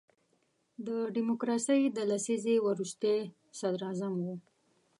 د ډیموکراسۍ د لسیزې وروستی صدر اعظم وو.